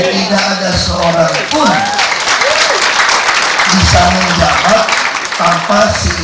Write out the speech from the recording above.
ya tidak ada seorang pun bisa menjawab tanpa silakan